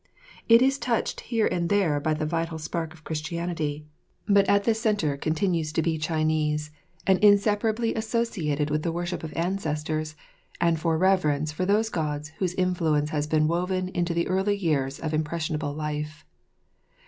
It is touched here and there by the vital spark of Christianity, but at the centre continues to be Chinese and inseparably associated with the worship of ancestors and the reverence for those gods whose influence has been woven into the early years of impressionable life.